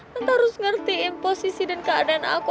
tante harus ngertiin posisi dan keadaan aku